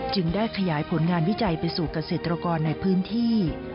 ได้ขยายผลงานวิจัยไปสู่เกษตรกรในพื้นที่